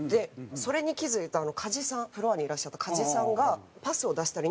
それに気付いた加地さんフロアにいらっしゃった加地さんがパスを出したりんたろー。